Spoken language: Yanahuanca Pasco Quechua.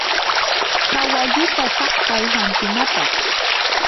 kawalluta saqtay hampinapaq.